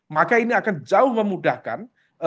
maka ini akan jauh memudahkan